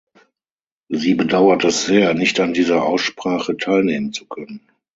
Sie bedauert es sehr, nicht an dieser Aussprache teilnehmen zu können.